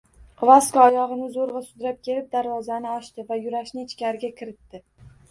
Vasko oyogʻini zoʻrgʻa sudrab kelib, darvozani ochdi va Yurashni ichkariga kiritdi.